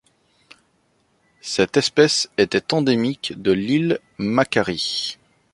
Cette espèce était endémique de l'île Macquarie.